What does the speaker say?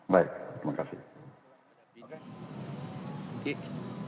baik terima kasih